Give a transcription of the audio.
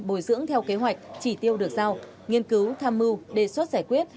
bồi dưỡng theo kế hoạch chỉ tiêu được giao nghiên cứu tham mưu đề xuất giải quyết